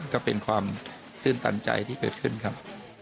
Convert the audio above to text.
ก็เป็นความตื่นตันใจที่เกิดขึ้นครับ